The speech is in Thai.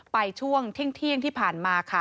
ไปช่วงที่ที่ที่ที่ผ่านมา